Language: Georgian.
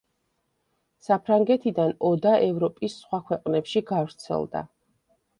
საფრანგეთიდან ოდა ევროპის სხვა ქვეყნებში გავრცელდა.